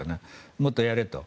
もっとやれと。